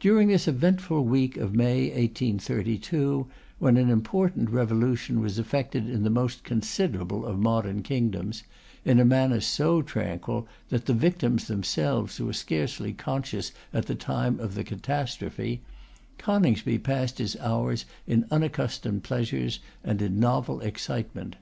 During this eventful week of May, 1832, when an important revolution was effected in the most considerable of modern kingdoms, in a manner so tranquil, that the victims themselves were scarcely conscious at the time of the catastrophe, Coningsby passed his hours in unaccustomed pleasures, and in novel excitement.